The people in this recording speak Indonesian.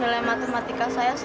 oke makasih lagi